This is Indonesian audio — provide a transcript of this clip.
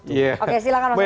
oke silakan pak jokowi